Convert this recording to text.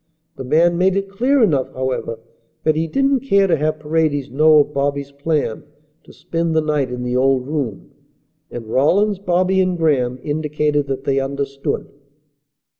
The man made it clear enough, however, that he didn't care to have Paredes know of Bobby's plan to spend the night in the old room, and Rawlins, Bobby, and Graham indicated that they understood.